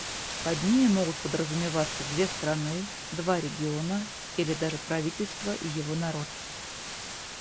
Под ними могут подразумеваться две страны, два региона или даже правительство и его народ.